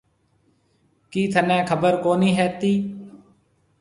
ڪِي ٿنَي خبر ڪونھيَََ ھتِي۔